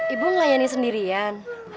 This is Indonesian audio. ibu melayani sendirian